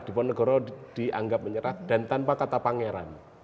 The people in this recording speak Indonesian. diponegoro dianggap menyerah dan tanpa kata pangeran